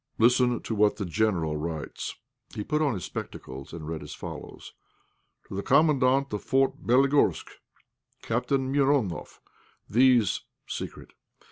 Listen to what the General writes." He put on his spectacles and read as follows: "_To the Commandant of Fort Bélogorsk, "Captain Mironoff, these. (Secret.)